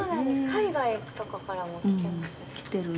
海外とかからも来てます？来てる。